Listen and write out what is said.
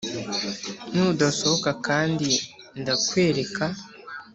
nudasohoka kandi ndakwereka